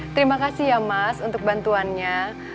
terima kasih ya mas untuk bantuannya